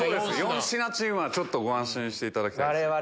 ４品チームはご安心していただきたいです。